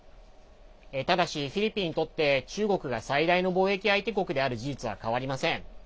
ただし、フィリピンにとって中国が最大の貿易相手国である事実は変わりません。